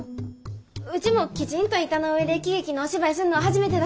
うちもきちんと板の上で喜劇のお芝居すんのは初めてだす。